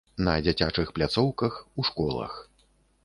На дзіцячых пляцоўках, у школах.